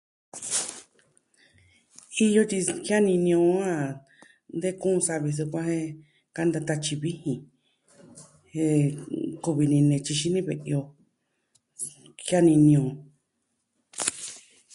Iyo ti, jianini o a de kuun savi sukuan e kanta tatyi vijin. Jen... koo vi ni nee tyi xini ve'i o. Jianini o.